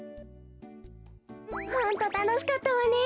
ホントたのしかったわね。